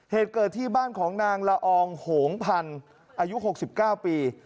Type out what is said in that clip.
เหตุเกิดที่บ้านของนางละอองโหงพันธุ์อายุ๖๙ปี